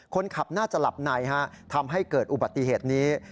คนขับน่าจะหลับในทำให้เกิดอุบัติเหตุนี้